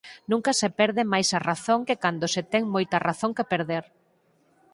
Nunca se perde máis a razón que cando se ten moita razón que perder